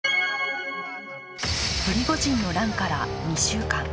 プリゴジンの乱から２週間。